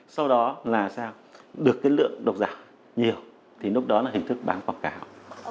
sau đó là sao được cái lượng độc giả nhiều thì lúc đó là hình thức bán quảng cáo